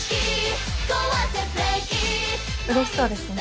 うれしそうですね。